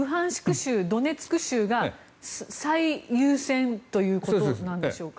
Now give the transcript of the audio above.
州、ドネツク州が最優先ということなんでしょうか。